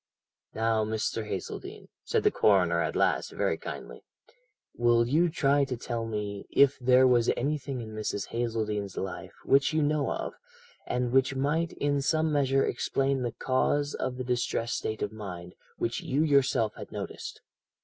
"'Now, Mr. Hazeldene,' said the coroner at last very kindly, 'will you try to tell me if there was anything in Mrs. Hazeldene's life which you know of, and which might in some measure explain the cause of the distressed state of mind, which you yourself had noticed?